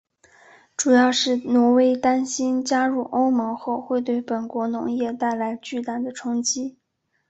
主要是挪威担心加入欧盟后会对本国农业带来巨大的冲击。